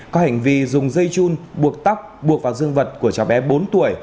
có hành vi dùng dây chun buộc tóc buộc vào dương vật của cháu bé bốn tuổi